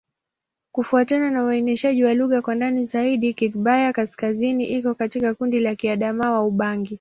Kufuatana na uainishaji wa lugha kwa ndani zaidi, Kigbaya-Kaskazini iko katika kundi la Kiadamawa-Ubangi.